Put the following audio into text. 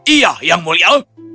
iya yang mulia